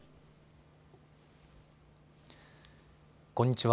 こんにちは。